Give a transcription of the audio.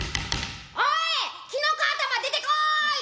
「おいキノコ頭出てこい！